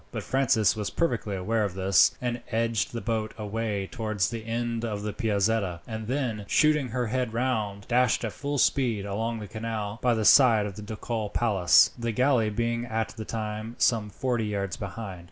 But Francis was perfectly aware of this, and edged the boat away towards the end of the Piazzetta, and then, shooting her head round, dashed at full speed along the canal by the side of the ducal palace, the galley being at the time some forty yards behind.